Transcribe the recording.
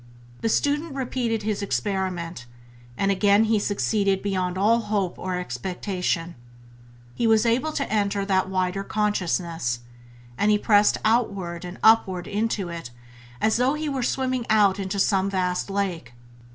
The student repeated his experiment, and again he succeeded beyond all hope or expectation. He was able to enter that wider Consciousness, and he pressed onward and upward into it as though he were swimming out into some vast lake.